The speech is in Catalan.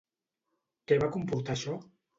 Què va comportar això?